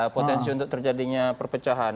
potensi untuk terjadinya perpecahan